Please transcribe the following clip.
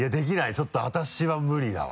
ちょっと私は無理だわ。